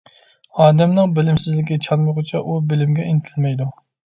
ئادەمنىڭ بىلىمسىزلىكى چانمىغۇچە، ئۇ بىلىمگە ئىنتىلمەيدۇ.